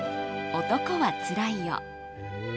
「男はつらいよ」。